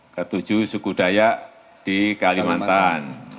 ketujuh suku dayak di kalimantan